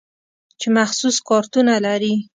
چې مخصوص کارتونه لري.